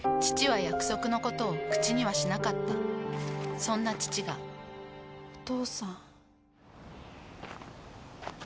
父は約束のことを口にはしなかったそんな父がお父さん。